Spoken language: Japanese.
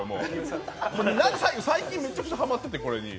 最近めちゃくちゃハマってて、これは。